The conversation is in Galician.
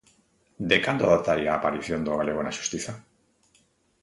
De cando dataría a aparición do galego na Xustiza?